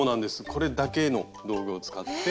これだけの道具を使って。